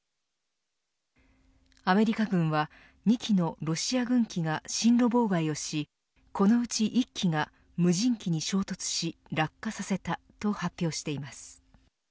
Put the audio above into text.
アメリカ軍は２機のロシア軍機が進路妨害をしこのうち１機が無人機に衝突し落下させたと発表しています。